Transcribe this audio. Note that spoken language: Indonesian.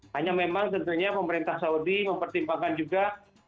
hanya memang tentunya pemerintah saudi mempertimbangkan juga